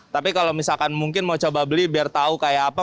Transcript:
tapi kalau misalkan mungkin mau coba beli biar tahu kayak apa